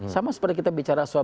sama seperti kita bicara soal